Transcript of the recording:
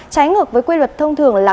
trái ngược với quy luật thông thường là